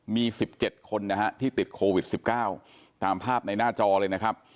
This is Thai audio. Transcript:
มี๑๗คนนะฮะที่ติดโควิด๑๙ตามภาพในหน้าจอเลยนะครับ